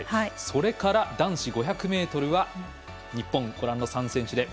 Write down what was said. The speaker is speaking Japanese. それから男子５００ｍは日本３選手。